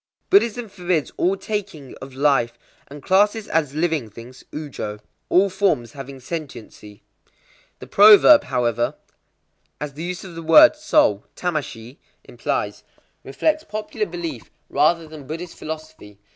Buddhism forbids all taking of life, and classes as living things (Ujō) all forms having sentiency. The proverb, however,—as the use of the word "soul" (tamashii) implies,—reflects popular belief rather than Buddhist philosophy.